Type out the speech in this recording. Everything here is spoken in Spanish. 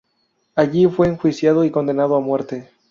Allí fue enjuiciado y condenado a muerte.